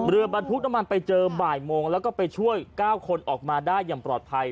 บรรทุกน้ำมันไปเจอบ่ายโมงแล้วก็ไปช่วย๙คนออกมาได้อย่างปลอดภัย